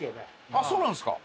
ああそうなんですか。